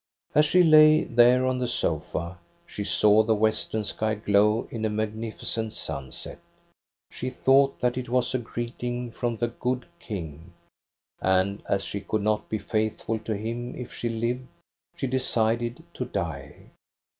As she lay there on the sofa, she saw the western sky glow in a magnificent sunset. She thought that it was a greeting from the good King; and as she could not be faithful to him if she lived, she decided to die.